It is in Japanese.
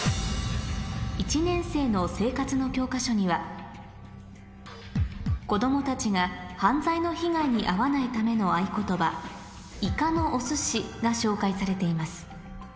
１年生の生活の教科書には子供たちが犯罪の被害に遭わないための合言葉「いかのおすし」が紹介されています